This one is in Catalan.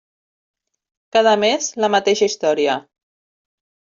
Cada mes, la mateixa història.